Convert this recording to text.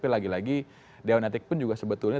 lagi lagi dewan etik pun juga sebetulnya